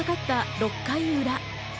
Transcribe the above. ６回裏。